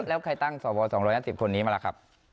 แล้วใครตั้งสว๒๕๐คนนี้มาล่ะครับ